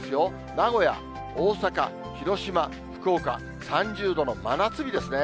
名古屋、大阪、広島、福岡３０度の真夏日ですね。